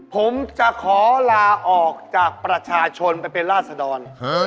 ผมจะขอลาออกจากประชาชนไปเป็นราศดร